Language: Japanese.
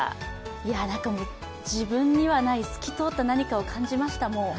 なんかもう自分にはない透き通った何かを感じました。